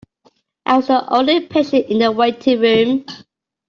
I was the only patient in the waiting room.